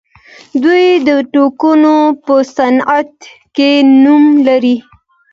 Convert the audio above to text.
دوی د ټوکرانو په صنعت کې نوم لري.